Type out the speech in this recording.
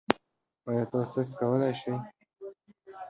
ایا تاسو سست کولی شئ؟